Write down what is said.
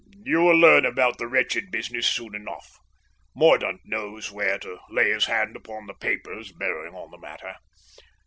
"You will learn about the wretched business soon enough. Mordaunt knows where to lay his hand upon the papers bearing on the matter.